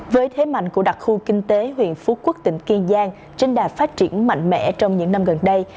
với thế mạnh của đặc khu kinh tế huyện phú quốc tỉnh kiên giang trên đà phát triển mạnh mẽ trong những năm gần đây